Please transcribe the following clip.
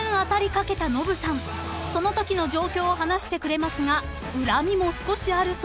［そのときの状況を話してくれますが恨みも少しあるそうで］